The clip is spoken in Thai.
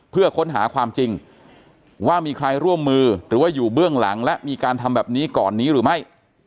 เพื่อค้นหาความจริงว่ามีใครร่วมมือหรือว่าอยู่เบื้องหลังและมีการทำแบบนี้ก่อนนี้หรือไม่